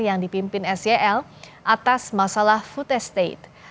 yang dipimpin sel atas masalah food estate